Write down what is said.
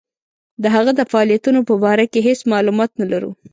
د هغه د فعالیتونو په باره کې هیڅ معلومات نه لرو.